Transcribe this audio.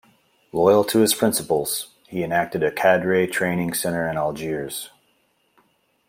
Loyal to his principles, he enacted a cadre training center in Algiers.